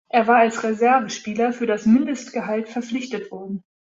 Er war als Reservespieler für das Mindestgehalt verpflichtet worden.